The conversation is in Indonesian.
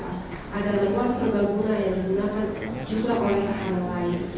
ada ruang serba muda yang digunakan juga oleh tahanan lain